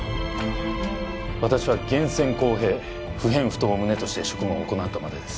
私は厳正公平不偏不党を旨として職務を行ったまでです